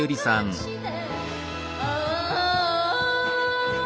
「ああ